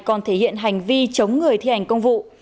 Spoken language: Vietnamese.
còn thể hiện hành vi chống người thi hành công vụ